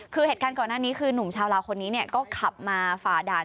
คือเหตุการณ์ก่อนหน้านี้คือหนุ่มชาวลาวคนนี้ก็ขับมาฝ่าด่าน